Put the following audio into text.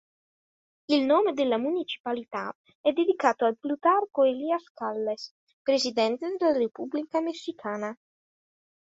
Il nome della municipalità è dedicato a Plutarco Elías Calles, presidente della Repubblica messicana.